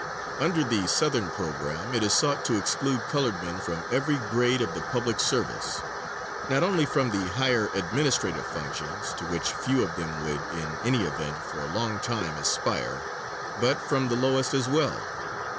Under the Southern program it is sought to exclude colored men from every grade of the public service; not only from the higher administrative functions, to which few of them would in any event, for a long time aspire, but from the lowest as well.